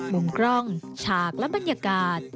มุมกล้องฉากและบรรยากาศ